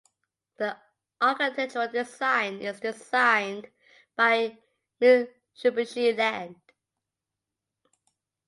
The architectural design is designed by Mitsubishi Land.